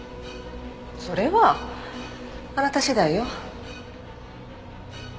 それはあなた次第よ。